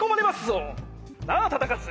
なあ忠勝？